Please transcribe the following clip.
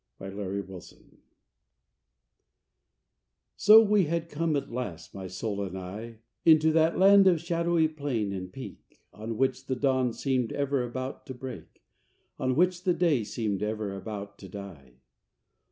THE LAND OF ILLUSION I So we had come at last, my soul and I, Into that land of shadowy plain and peak, On which the dawn seemed ever about to break, On which the day seemed ever about to die.